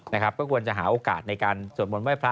นะครับก็ควรจะหาโอกาสในการสวดมนต์ไห้พระ